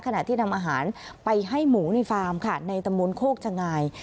ขณะที่นำอาหารไปให้หมูในฟาร์มค่ะในตำบลโคกชะงาย